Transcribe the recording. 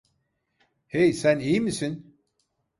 Hey, sen iyi misin?